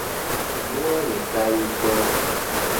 Nu a le kayi gbo.